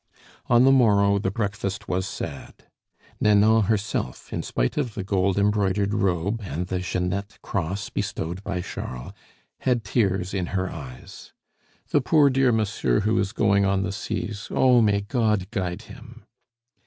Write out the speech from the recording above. On the morrow the breakfast was sad. Nanon herself, in spite of the gold embroidered robe and the Jeannette cross bestowed by Charles, had tears in her eyes. "The poor dear monsieur who is going on the seas oh, may God guide him!"